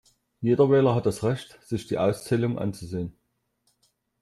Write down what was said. Jeder Wähler hat das Recht, sich die Auszählung anzusehen.